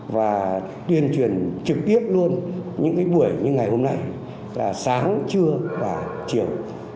và tuyên truyền trực tiếp luôn những buổi như ngày hôm nay là sáng trưa và chiều